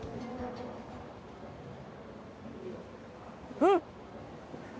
うん！